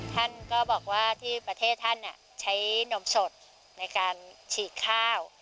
ท่านก็บอกว่าที่ประเทศท่านใช้นมสดในการฉีดข้าว